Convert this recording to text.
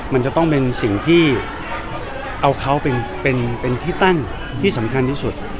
มันจะต้องเป็นสิ่งที่เอาเขาเป็นที่ตั้งที่สำคัญที่สุด